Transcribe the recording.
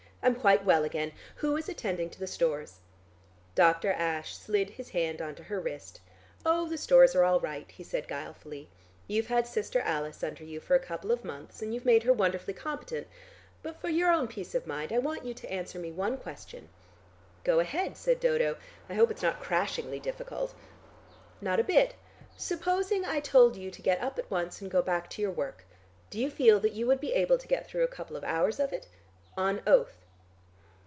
I'm quite well again. Who is attending to the stores?" Dr. Ashe slid his hand on to her wrist. "Oh, the stores are all right," he said guilefully. "You've had Sister Alice under you for a couple of months, and you've made her wonderfully competent. But for your own peace of mind I want you to answer me one question." "Go ahead," said Dodo, "I hope it's not crashingly difficult." "Not a bit. Supposing I told you to get up at once and go back to your work, do you feel that you would be able to get through a couple of hours of it? On oath."